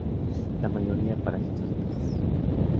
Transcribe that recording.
La mayoría parásitos de peces.